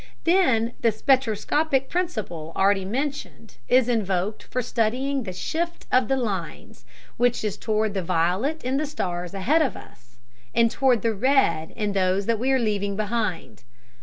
Then the spectroscopic principle already mentioned is invoked for studying the shift of the lines, which is toward the violet in the stars ahead of us and toward the red in those that we are leaving behind.